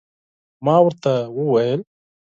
ما ورته وویل